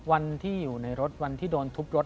วันที่อยู่ในรถวันที่โดนทุบรถ